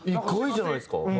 意外じゃないですか？